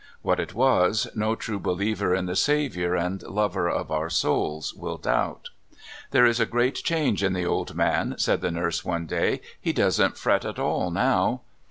What it was, no true believer in the Saviour and lover of our souls will doubt. " There's a great change in the old man," said the nurse one day; '* he doesn't fret at all now."